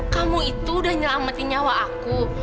kamu itu udah nyelamatin nyawa aku